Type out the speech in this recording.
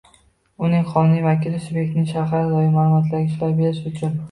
uning qonuniy vakili subyektning shaxsga doir ma’lumotlariga ishlov berish uchun